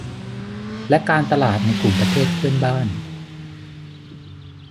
และการตลาดในกลุ่มประเทศเพื่อนบ้าน